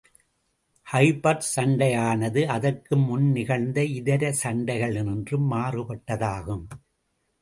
கைபர்ச் சண்டையானது, அதற்கு முன் நிகழ்ந்த இதர சண்டைகளினின்றும் மாறுபட்டதாகும்.